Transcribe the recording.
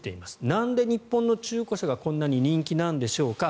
なんで日本の中古車がこんなに人気なんでしょうか。